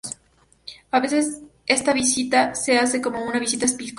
A veces esta visita se hace como una visita episcopal.